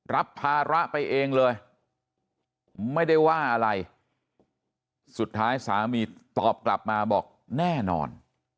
รับภาระไปเองเลยไม่ได้ว่าอะไรสุดท้ายสามีตอบกลับมาบอกแน่นอน